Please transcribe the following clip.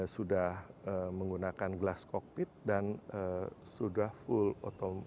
sudah menggunakan glass kokpit dan sudah full otomatis